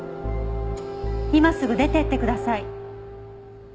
今すぐ出ていってください。